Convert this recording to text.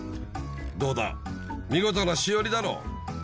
どうだ見事なしおりだろ？